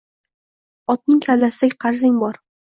Otning kallasidek qarzing bor